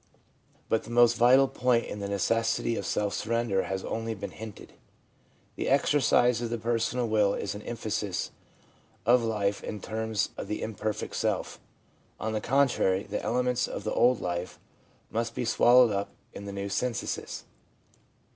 But the most vital point in the necessity of self sur render has only been hinted. The exercise of the per sonal will is an emphasis of life in terms of the imperfect self. Oathe contrary, the elements of the old life must be swallowed up in the new synthesis.